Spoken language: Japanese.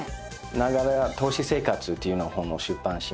『ながら投資生活』っていう本を出版しました。